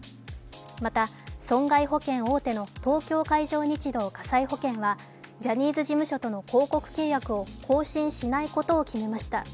また、損害保険大手の東京海上日動火災保険はジャニーズ事務所との広告契約を更新しないことを決めました。